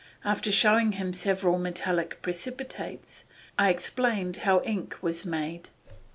After showing him several metallic precipitates, I explained how ink was made.